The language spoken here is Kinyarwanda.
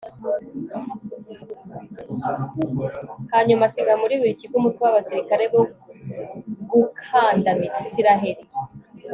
hanyuma asiga muri buri kigo umutwe w'abasirikare bo gukandamiza israheli